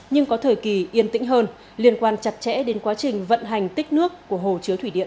nhưng có thời kỳ yên tĩnh hơn liên quan chặt chẽ đến quá trình vận hành tích nước của hồ chứa thủy điện